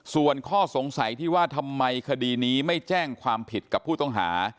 ส่วนข้อสงสัยที่ว่าทำไมคดีนี้ไม่แจ้งความผิดกับผู้ต้องหา